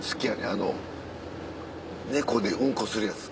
あの猫でうんこするやつ。